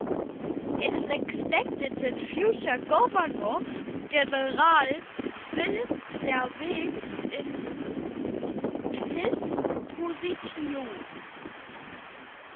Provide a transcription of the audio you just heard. It is expected that future governors-general will serve in this position.